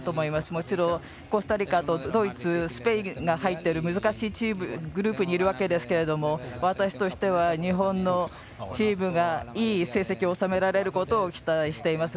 もちろん、コスタリカとドイツ、スペインが入っている難しいグループにいるわけですけども私としては日本のチームがいい成績を収められることを期待しています。